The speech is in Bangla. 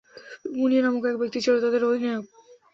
মুনিয়া নামক এক ব্যক্তি ছিল তাদের অধিনায়ক।